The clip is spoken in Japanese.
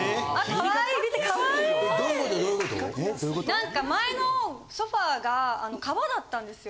なんか前のソファが革だったんですよ。